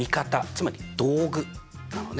つまり道具なのね。